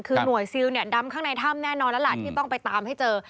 คือหน่วยซิลเนี่ยดำข้างในถ้ำแน่นอนแล้วล่ะที่ต้องไปตามให้เจอ